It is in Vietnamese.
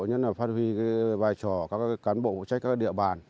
nhất là phát huy vai trò các cán bộ phụ trách các địa bàn